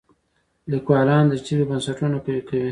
لیکوالان د ژبې بنسټونه قوي کوي.